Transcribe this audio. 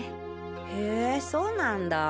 へぇそうなんだ。